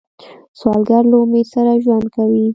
سوالګر له امید سره ژوند کوي